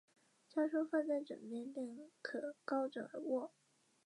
东段原为民国时期开辟中央门通往下关火车站的道路。